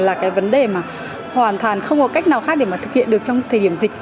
là vấn đề hoàn toàn không có cách nào khác để thực hiện được trong thời điểm dịch